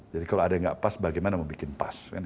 jadi kalau ada yang nggak pas bagaimana membuat pas